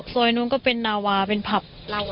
สิบปีได้ครับ